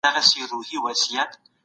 خپل اهداف به په جدیت سره تعقیبوئ.